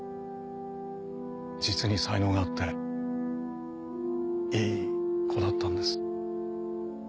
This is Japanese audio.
実に才能があっていい子だったんです。